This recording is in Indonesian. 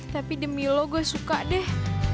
tapi demi lo gue suka deh